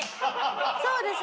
そうですね。